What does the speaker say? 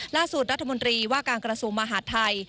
ล่าสุดรัฐมนตรีว่าการกระทรวงมหาดไทย